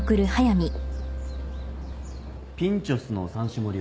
ピンチョスの３種盛りを。